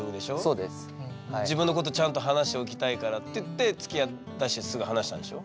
自分のことちゃんと話しておきたいからっていってつきあったしすぐ話したんでしょ？